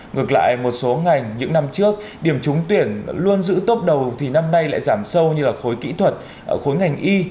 ngược lại một số ngành những năm trước điểm trúng tuyển luôn giữ tốt đầu thì năm nay lại giảm sâu như là khối kỹ thuật khối ngành y